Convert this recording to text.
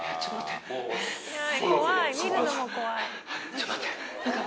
ちょっと待って。